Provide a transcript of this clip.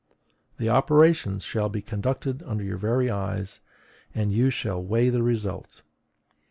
The operations shall be conducted under your very eyes; and you shall weigh the result.